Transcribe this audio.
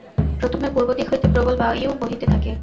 প্রথমে পূর্বদিক হইতে প্রবল বায়ু বহিতে থাকে।